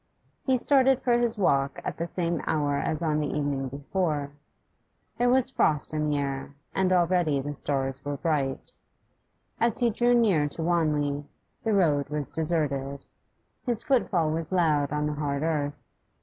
He started for his walk at the same hour as on the evening before. There was frost in the air, and already the stars were bright. As he drew near to Wanley, the road was deserted; his footfall was loud on the hard earth.